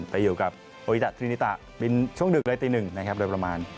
ไปอยู่กับปุริดะทรินิตะบินช่วงดึกเลยตีหนึ่งนะครับโดยประมาณ